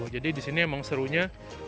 jadinya emang serunya